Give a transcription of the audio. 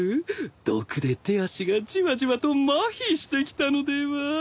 毒で手足がじわじわとまひしてきたのでは？